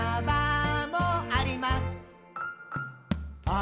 「あ！